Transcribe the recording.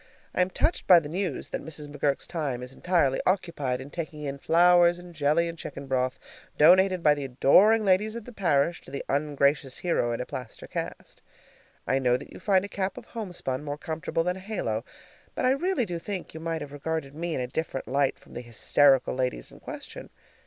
I am touched by the news that Mrs. McGurk's time is entirely occupied in taking in flowers and jelly and chicken broth, donated by the adoring ladies of the parish to the ungracious hero in a plaster cast. I know that you find a cap of homespun more comfortable than a halo, but I really do think that you might have regarded me in a different light from the hysterical ladies in question.